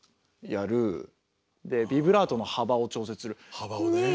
幅をね。